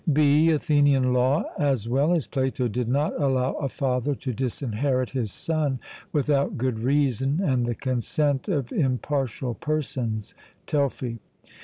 (b) Athenian law, as well as Plato, did not allow a father to disinherit his son without good reason and the consent of impartial persons (Telfy).